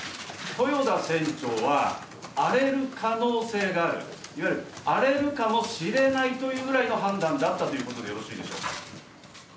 豊田船長は荒れる可能性があるいわゆる荒れるかもしれないというぐらいの判断だったということでよろしいでしょうか？